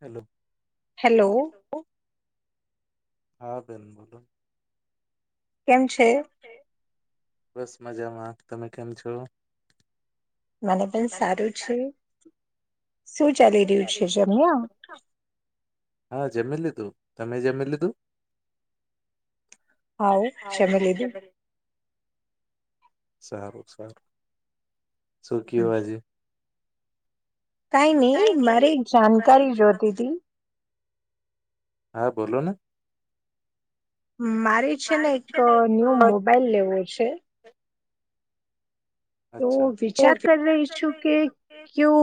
Hello hello હા બેન બોલો કેમ છે બસ મજામાં તમે કેમ છો મને પણ સારું છે શું ચાલી રહ્યું છે જમ્યા હા જમી તમે જમી લીધું હા જમી લધું સારું સારું શુ કેવું આજે કઈ નઈ મારે એક જાણકારી જોતી તી હા બોલો ને મારે છે ને એક ન્યૂ મોબાઈલ લેવો છે. તો અચ્છા વિચાર કરી રહી છું કે કયો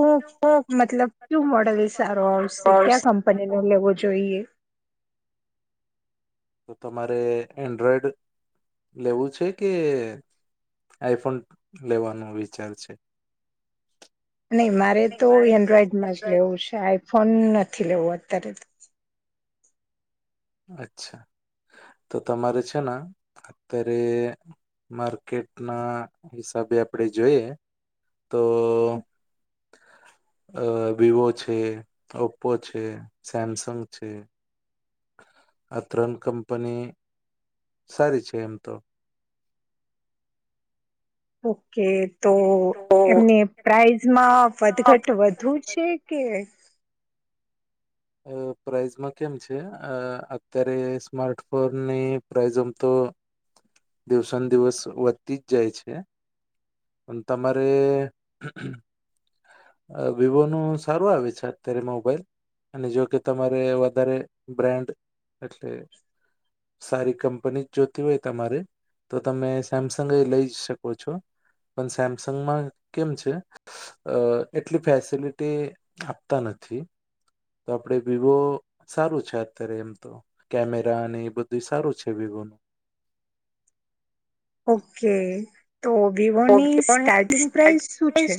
મતલબ કયુ મોડલ એ સારો આવશે ક્યા કંપની ન લેવો જોઈએ તો તમારે એન્ડ્રોઈડ લેવું છે કે આઈફોન લેવાનો વિચાર છે નહી મારે તો એન્ડ્રોઈડમાં જ લેવું છે. આઈ ફોન નથી લેવું. [inaudible] અચ્છા. તો તમારે છે ના અત્યારે માર્કેટ ના હિસાબે આપણે જોઈએ તો અહ વિવો છે, ઓપ્પો છે, સેમસંગ છે. આ ત્રણ કંપની, સારી છે એમ તો. તો કે તો તો એમને પ્રાઇઝ માં અ વધઘટ વધુ છે કે અહ પ્રાઇઝમાં કેમ છે અહ અત્યારે સ્માર્ટફોનની પ્રાઇઝ આમ તો દિવસે દિવસ વધતી જ જાય છે. પણ તમારે વિવોનું સારું આવે છે અત્યારે મોબાઈલ. અને જો કે તમારે વધારે બ્રાન્ડ એટલે સારી કંપની જ જોતી હોય તમારે તો તમે સેમસંગ એ લઈ જ શકો છો. પણ સેમસંગમાં કેમ છે અહ એટલી ફેસિલિટી આપતા નથી. તો આપણે વિવો સારું છે અત્યારે એમ તો કેમેરા અને એ બધું સારું છે વિવોનું. ઓકે તો વિવો ની સ્ટાર્ટિંગ પ્રાઈઝ શું છે?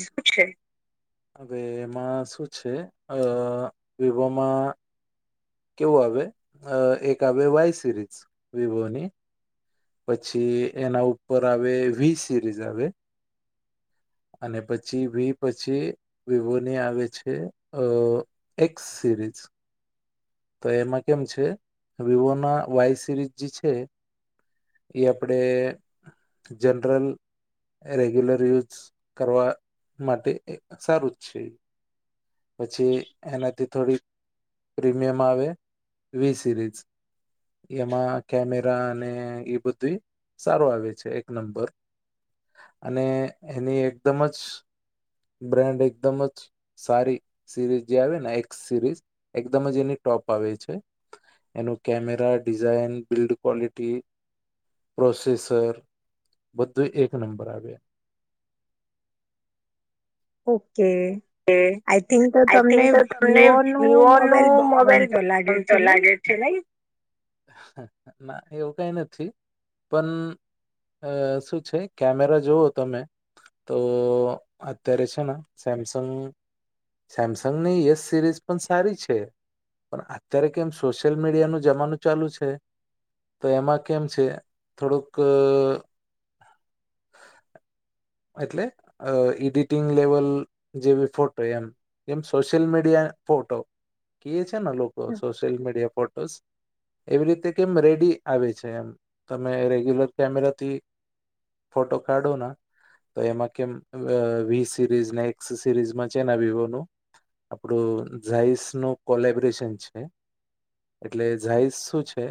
હવે એમાં શું છે અહ વિવોમાં કેવું આવે અહ એક આવે વાય સિરીઝ વિવોની પછી એના ઉપર આવે વી સિરીઝ આવે અને પછી વી પછી વિવોની આવે છે અહ એક્સ સિરીઝ. તો એમાં કેમ છે વિવો ના વાય સિરીઝ જે છે એ આપણે જનરલ રેગ્યુલર યુઝ કરવા માટે એ સારું જ છે. પછી એનાથી થોડી પ્રીમિયમ આવે વી સિરીઝ. એમાં કેમેરા અને એ બધું સારું આવે છે એક નંબર. અને એની એકદમ જ બ્રેાન્ડ એકદમ જ સારી સિરીઝ જે આવે ને એસ સિરીઝ એકદમ જ એની ટોપ આવે છે. એનું camera, design, build quality, processor બધું એક નંબર આવે. ઓકે આઈ થિંક તો આઈ તમને થિંક તો તમને વિવો નો વિવો મોબાઈલ બહુ નું મોબાઈલ ગમતો લાગે ગમતો છે નહી. લાગે છે નઈ? ના એવું કઈ નથી પણ અહ શું છે કેમેરા જોવો તમે તો અત્યારે છે ના સેમસંગ સેમસંગની યસ સિરીઝ પણ સારી છે. પણ અત્યારે કેમ સોશિયલ મીડિયાનું જમાનું ચાલુ છે તો એમાં કેમ છે થોડુંક એટલે અહ એડિટિંગ લેવલ જેવી ફોટો એમ એમ સોશિયલ મીડિયા ફોટો કે છે ના લોકો સોશિયલ મીડિયા ફોટોસ. એવી રીતે કેમ રેડી આવે છે એમ. તમે રેગ્યુલર કેમેરાથી ફોટો કાઢોના તો એમાં કેમ વહ સિરીઝ ને એક્સ સિરીઝમાં છેને વિવોનું આપણું ઝાઈસ નું કોલેબરેશન છે. એટલે જઝાઈસ શું છે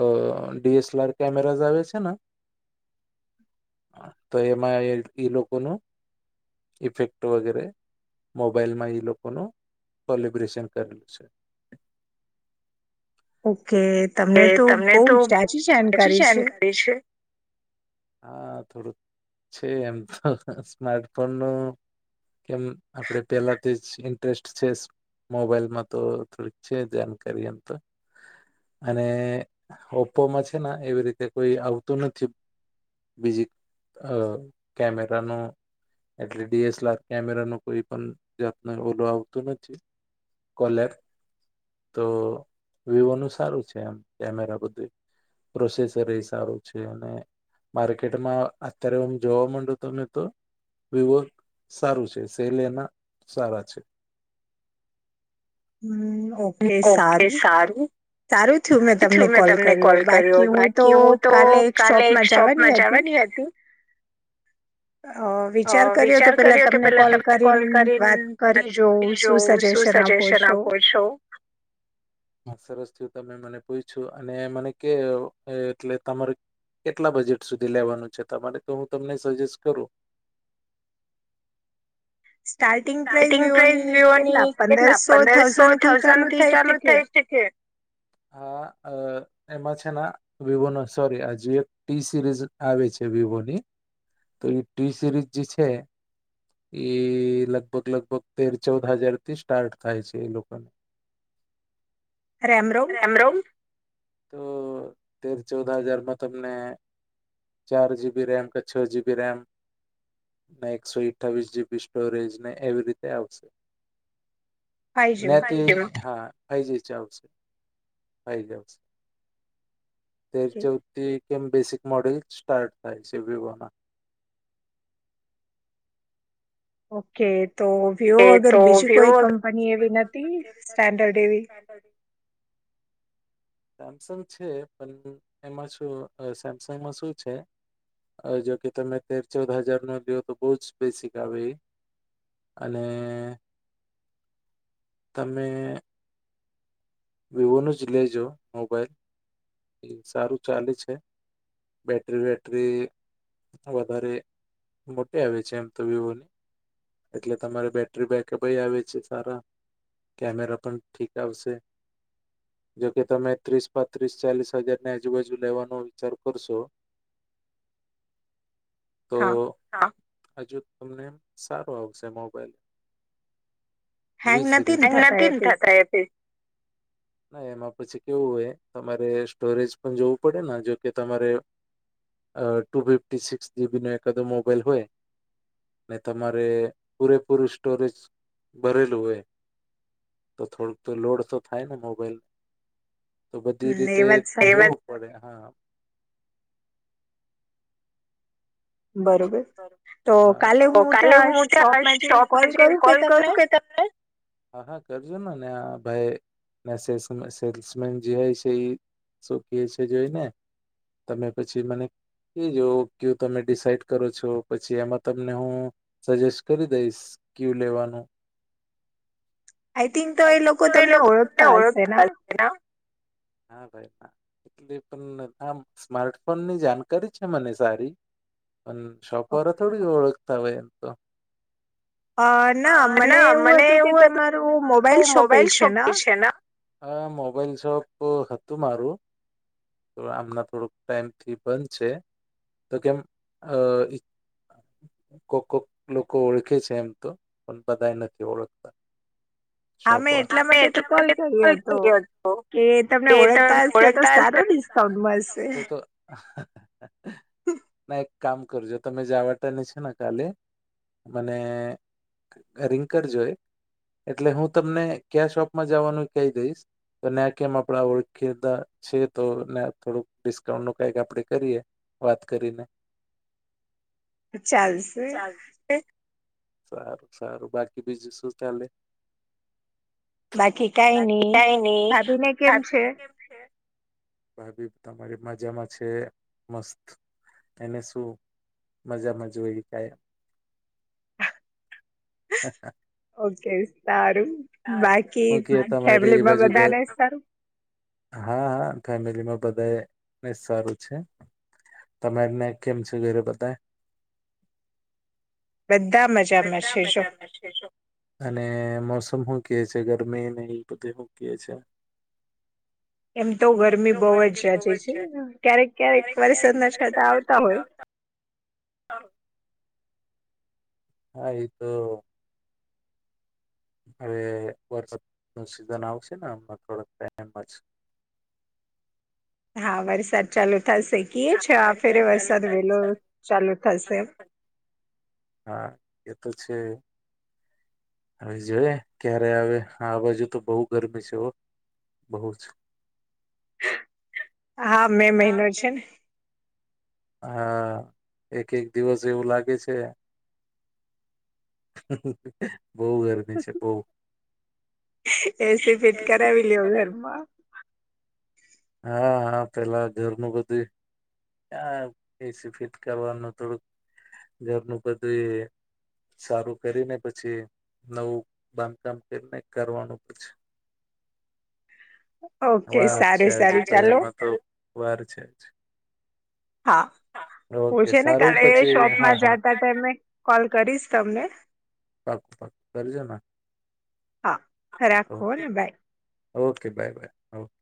અહ ડી એસ લઆર કેમેરા આવે છેને. તો એમાં એ ઈ લોકોનું ઈફેક્ટ વગેરે મોબાઈલમાં ઈ લોકોનું સલિબ્રેશન કરેલું છે. ઓકે તમને એ તો તમને બહુ તો સાચી સાચી જાણકારી છે. જાણકારી છે હા થોડું. છે એમ તો સ્માર્ટફોન નો કેમ આપડે પેલાથી જ ઇન્ટરેસ્ટ છે મોબાઈલમાં તો થોડીક છે જાણકારી એમ તો અને ઓપ્પોમાં છે ને એવી રીતે કોઈ આવતું નથી બીજી અહ કેમેરા નો એટલે D S L R camera ન કોઈ પણ જાતનું ઓલું આવતું નથી કોલેર. તો વિવો નું સારું છે એમ કેમેરા બધું પ્રોસેસર એ સારું છે અને માર્કેટમાં અત્યારે હું જોવા માંડો તને તો વિવો સારું છે. સેલ એના સારા છે. હમ્મ ઓકે સારું. સારું થયું મેં તમને કોલ કર્યો બાકી હું તો કાલે એક શોપમાં જવાની હતી. અહ વિચાર કર્યો કે પેલા તમને કોલ કરીન શું સજેશન આપો છો. તમને મને પૂછું અને મને કે એ એટલે તમારે કેટલા બજેટ સુધી લેવાનું છે તમારે તો હું તમને સજેસ્ટ કરું. સ્ટાર્ટિંગ પ્રાઇસ સાર્ટિંગ પ્રસ વિવોની કેટલા વિવોની કેટલા પંદરસો પંદરસો થાઉઝન્ડ થી થઉઝન્ડથી છે ચાલુ કે થાય શકે. એમાં છે ને વિવો ન સોરી હજુ એક ટી સિરીઝ આવે છે વિવોની, તો એ ટી સિરીઝ જે છે લગ લગભગ લગભગ તેર ચૌદ હજાર થી સ્ટાર્ટ થાય છે એ લોકોને. રેમરોમ. રેમ રોમ તો તેર ચૌદા હજારમાં તમને ચાર જીબી રેમ કે છ જીબી રેમ ને એકસો અઠ્ઠાવીસ જીબી સ્ટોરેજ ને એવી રીતે આવશે. ફાઈવજીમાં હા. ફાઇજી ચાલશે, ફાઈજી આવશે. તેર ઓકે ચૌદથી કેમ બેસિક. મોડલ સ્ટાર્ટ થાય છે, વિવોના. ઓકે. તો વિવો એ વગર તો બીજી કોઈ વિવો કંપની એવી નથી, સ્ટેન્ડર્ડ એવી? સેમસંગ છે પણ એમાં શું સેમસંગમાં શું છે જોકે તમે તેર ચૌદ હજાર નો લ્યો તો બહુ જ બેસિક આવે એ અને તમે વિવોનું જ લેજો મોબાઈલ એ સારું ચાલે છે, બેટરી વેટરી વધારે મોટી આવે છે એમ તો વિવોની, એટલે તમારે બેટરી બેકઅપય આવે છે સારા, કેમેરા પણ ઠીક આવશે. જોકે તમે ત્રીસ પાંત્રીસ ચાલીસ હજારની આજુબાજુ લેવાનો વિચાર કરશો તો હા હજુ તમને એમ સારો આવશે મોબાઈલ. વી હેંગ નથી ને થતા એ પીસ સિરીઝ ના એમાં પછી કેવું હોય તમારે સ્ટોરેજ પણ જોવું પડે જોકે તમારે અ ટુ ફિફ્ટી સિક્સ જીબી નો એકાદો મોબાઈલ હોય, ને તમારે પૂરેપૂરું સ્ટોરેજ ભરેલું હોય તો થોડુંક તો લોડ તો થાય ને મોબાઈલ તો બધી હમ એ રીતે વાત [unintelligible] સાચી જોવું પડે હા. બરોબર તો હા, કાલે હું ત્યાં શોપમાં જઈને હા, કોલ કરું કે તમને કરજોનને આ ભાઈ મેં સેલ્સમે સેલ્સમેન જેય છે એ શુ કેય છે જોઈને તમે પછી મને કેજો કયુ તમે ડિસાઈડ કરો છો પછી એમાં તમને હું સજેસ્ટ કરી દઈશ, ક્યુ લેવાનું. આઈથિંક તો એ લોકો તમને ઓળખતા હશે ના હા, ભાઈ હા એટલી પણ નકામ સ્માર્ટફોનની જાણકારી છે મને સારી. અન શોપ વારા થોડી જ ઓળખતા હોય એમ તો અ ના મને એવું હતું કે તમારું મોબાઈલ હતું શોપે ઈ છે શોપ એ ના તો હતું મારું તો આમના થોડુંક ટાઈમથી બંધ છે, તો કેમ અ કોક કોક લોકો ઓળખે છે એમ તો, પણ બધા નથી ઓળખતા. હા, મેં એટલા માટે તો કોલ કર્યો હતો કે તમને કે ઓળખતા તમે હશે તો ઓળખતા હશો સારો ડિસ્કાઉન્ટ મળશે. તો તો ના એક કામ કરજો તમે [unintelligible] છે ને કાલે મને રિંગ કરજો એક એટલે હું તમને ક્યા શોપમાં જવાનું કહી દઈશ, તો ને કેમ આપડા ઓળખીતા છે તો ને થોડુંક ડિસ્કાઉન્ટ નું કંઈક આપડે કરીએ વાત કરીને ચાલશે. ચાલ સારું સારું બાકી બીજું શું ચાલે બાકી કઈ ની કઈ નહી ભાભીને કેમ છે ભાભી તમારી મજામાં છે મસ્ત. એને શું મજામાં જોઈ કાય ઓકે સ્ટાર્ટ [unintelligible] ઓકે તમારે એ બાજુ ઘર બધાને સારું હા હા ફેમિલીમાં બધાએ ને સારું છે તમારને કેમ છે ઘરે બધા બધા મજામાં બધા છે જો મજામાં છે જો અને મોસ હું કેય છે ગરમી ને ઈ બધું હું કેય છે. એમ તો ગરમી બઉ જ ઝાઝી છે ક્યારેક ક્યારેક વરસાદના છાટા આવતા હોય. હા એ તો હવે વરસાદનું સિઝન આવશે ને હમણાં થોડાક ટાઈમ જ. હા વરસાદ ચાલુ થશે કે છે આ ફેરે ચાલુ વરસાદ વેલો ચાલુ થશે એમ હા એ તો છે. હવે જોઈએ ક્યારે આવે આ બાજુ તો બઉ ગરમી છે હો બહું જ. આ મે મહિનો છે ને હા એક એક દિવસ એવું લાગે છે. બહુ ગરમી છે બહુ એસી ફીટ કરાવી લેયો ઘરમાં હા હા પેલા ઘરનું બધું એ આ એસી ફિટ કરવાનું થોડુંક ઘરનું બધુંય સારું કરીને પછી નવું બાંધકામ કરીને કરવાનું પછી. ઓકે વાર સા છે આજે તો એમાં તો વાર છે જ. હા ઓ ઓકે છે ને સારું કાલે પછી હા શોપમાં હા જાતા હતામે કોલ કરીશ તમને. પાક્કું પાકું કરજોન હા રાખુ હને bye okay bye bye okay.